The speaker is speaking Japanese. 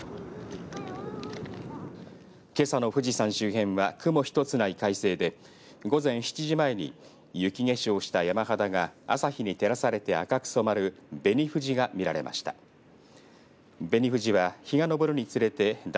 けさの富士山周辺は雲一つない快晴で午前７時前に雪化粧した山肌が朝日に照らされて赤く染まる紅富士が見られました。